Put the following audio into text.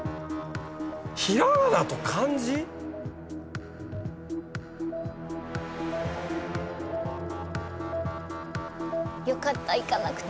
ひらがなと漢字⁉よかった行かなくて。